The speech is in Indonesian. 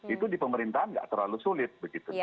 itu di pemerintahan nggak terlalu sulit begitu